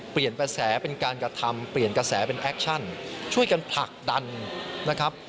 กระแสเป็นการกระทำเปลี่ยนกระแสเป็นแอคชั่นช่วยกันผลักดันนะครับ